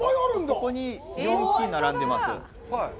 ここに４基並んでいます。